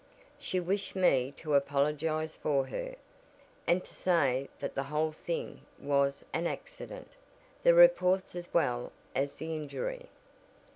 She wished me to apologize for her, and to say that the whole thing was an accident, the reports as well as the injury."